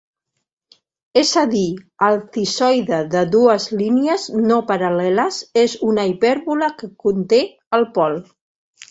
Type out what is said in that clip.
És a dir, el cissoide de dues línies no paral·leles és una hipèrbola que conté el pol.